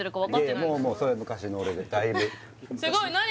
それ昔の俺でだいぶすごい何？